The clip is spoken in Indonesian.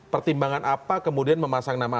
pertimbangan apa kemudian memasang nama